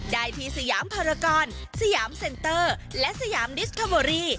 ได้ที่สยามภารกรสยามเซ็นเตอร์และสยามดิสคาเบอรี่